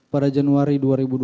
pada januari dua ribu dua puluh